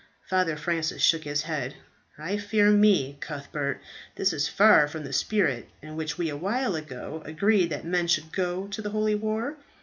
Father Francis shook his head. "I fear me, Cuthbert, this is far from the spirit in which we a while ago agreed that men should go to the holy war."